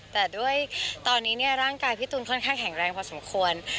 แต่ด้วยตอนนี้ร่างกายพี่ตูนค่อนข้างแข็งแรงพอสมควร